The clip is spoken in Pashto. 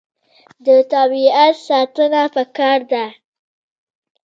د طبیعت ساتنه پکار ده.